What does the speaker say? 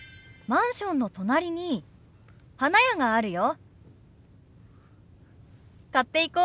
「マンションの隣に花屋があるよ」。